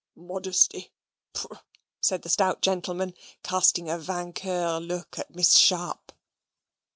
"Modesty! pooh," said the stout gentleman, casting a vainqueur look at Miss Sharp.